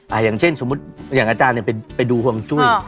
อาการเช่นอย่างอาจารย์ไปดูฮวงจุ้ย